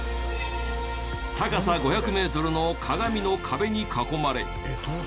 高さ５００メートルの鏡の壁に囲まれ。